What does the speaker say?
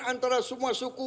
antara semua suku